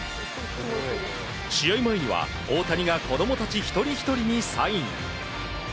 試合前には大谷が子供たち一人ひとりにサイン。